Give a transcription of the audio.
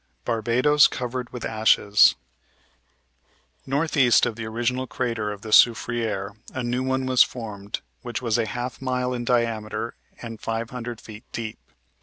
BARBADOS COVERED WITH ASHES Northeast of the original crater of the Soufriere a new one was formed which was a half mile in diameter and five hundred feet deep.